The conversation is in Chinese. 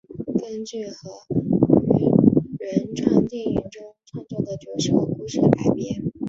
根据和于原创电影中创作的角色故事改编。